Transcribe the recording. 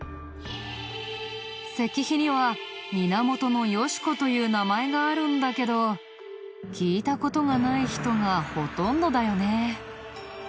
石碑には「みなもとのよしこ」という名前があるんだけど聞いた事がない人がほとんどだよね。